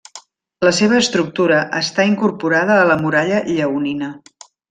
La seva estructura està incorporada a la muralla lleonina.